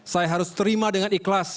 saya harus terima dengan ikhlas